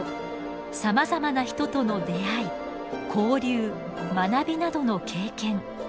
さまざまな人との出会い交流学びなどの経験。